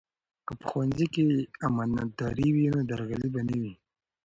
که په ښوونځي کې امانتداري وي نو درغلي به نه وي.